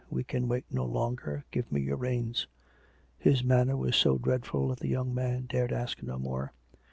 " We can wait no longer. Give me your reins !" His manner was so dreadful that the young man dared ask no more.